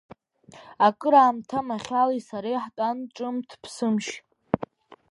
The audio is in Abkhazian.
Акыраамҭа Махьали сареи ҳтәан ҿымҭ-ԥсымшь.